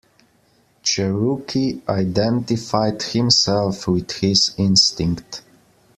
Cherokee identified himself with his instinct.